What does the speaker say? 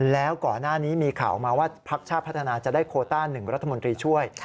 แล้วก่อนหน้านี้มีข่าวออกมาว่าพักชาติพัฒนาจะได้โคต้า๑รัฐมนตรีช่วย